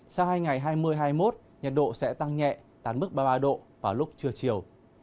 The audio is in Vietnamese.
sau hai ngày hai mươi hai mươi một nhiệt độ sẽ tăng nhẹ đạt mức ba mươi ba độ vào lúc trưa chiều